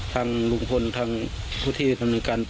ทางลุงพลฯทางสุภาทธิบดังบุญการ